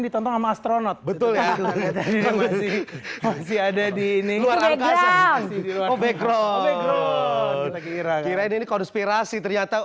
nonton sama astronot betul ya masih ada di luar background kira kira ini konspirasi ternyata